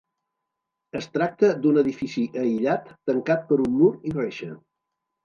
Es tracta d'un edifici aïllat tancat per un mur i reixa.